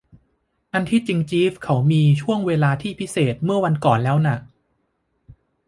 อันที่จริง จีฟเขามีช่วงเวลาที่พิเศษเมื่อวันก่อนแล้วน่ะ